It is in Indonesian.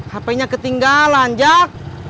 hp nya ketinggalan jack